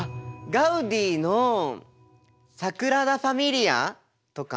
ガウディのサグラダ・ファミリアとか。